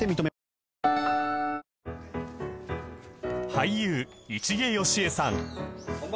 俳優市毛良枝さん